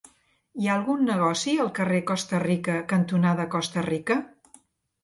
Hi ha algun negoci al carrer Costa Rica cantonada Costa Rica?